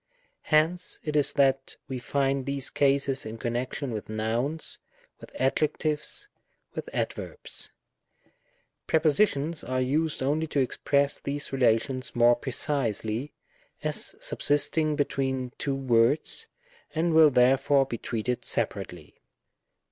Hence it is that we find these cases in connection with nouns, with adjectives, with adverbs ; prepositions are used only to express these relations more precisely, as subsisting between two words, and will therefore be treated separately.